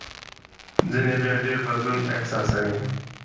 ځینې بیا ډېر بدلون نه احساسوي.